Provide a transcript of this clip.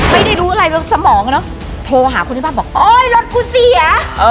ไม่ได้รู้อะไรแบบสมองเนอะโทรหาคนที่บ้านบอกโอ๊ยรถกูเสีย